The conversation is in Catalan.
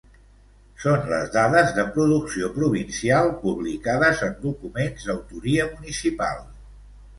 Són les dades de producció provincial publicades en documents d'autoria municipal.